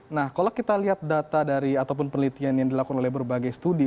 nah kalau kita lihat data dari ataupun penelitian yang dilakukan oleh berbagai studi